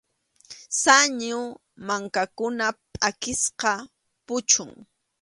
Sañu mankakunap pʼakisqa puchun.